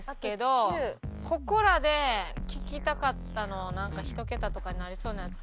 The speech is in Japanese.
ここらで聞きたかったのを１桁とかになりそうなやつ。